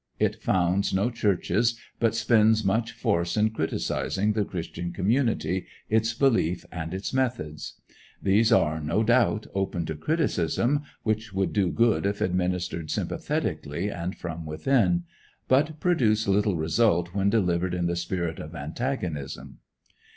It founds no churches, but spends much force in criticising the Christian community, its belief, and its methods. These are, no doubt, open to criticism, which would do good if administered sympathetically and from within, but produce little result when delivered in the spirit of antagonism.